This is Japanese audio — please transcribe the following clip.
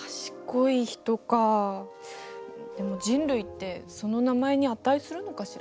でも人類ってその名前に値するのかしら？